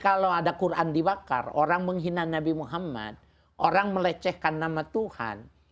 kalau ada quran di bakar orang menghina nabi muhammad orang melecehkan nama tuhan